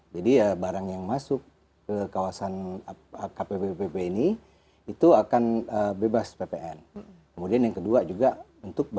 jadi barang yang masuk ke kawasan kpbb